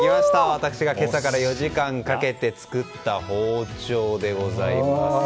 私が今朝から４時間かけて作った包丁でございます。